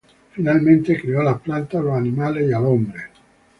Finalmente, creó las plantas, los animales y al hombre.